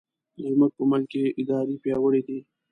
زموږ په ملک کې ادارې پیاوړې دي.